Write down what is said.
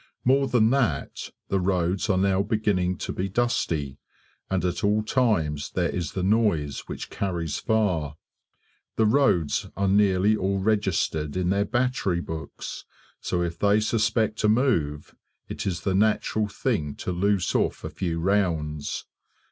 More than that, the roads are now beginning to be dusty, and at all times there is the noise which carries far. The roads are nearly all registered in their battery books, so if they suspect a move, it is the natural thing to loose off a few rounds.